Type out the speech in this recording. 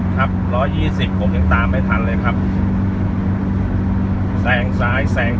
ครับร้อยยี่สิบผมยังตามไม่ทันเลยครับแซงซ้ายแซง